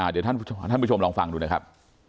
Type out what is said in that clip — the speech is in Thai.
เดี๋ยวท่านผู้ชมลองฟังดูนะครับ